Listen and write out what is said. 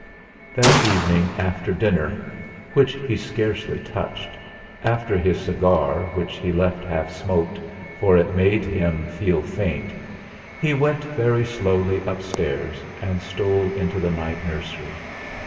That evening after dinner which he scarcely touched, after his cigar which he left half smoked for it made him feel faint, he went very slowly upstairs and stole into the night nursery.